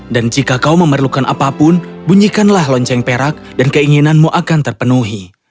dan jika kau memerlukan apapun bunyikanlah lonceng perak dan keinginanmu akan terpenuhi